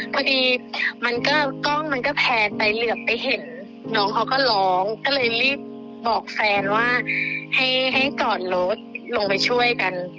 พอดีมันก็กล้องมันก็แพลนไปเหลือไปเห็นน้องเขาก็ร้องก็เลยรีบบอกแฟนว่าให้จอดรถลงไปช่วยกัน